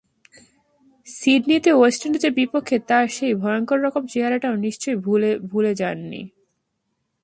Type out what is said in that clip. সিডনিতে ওয়েস্ট ইন্ডিজের বিপক্ষে তাঁর সেই ভয়ংকরতম চেহারাটাও নিশ্চয়ই ভুলে যাননি।